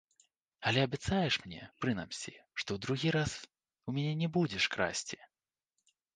Але абяцаеш мне, прынамсі, што другі раз у мяне не будзеш красці?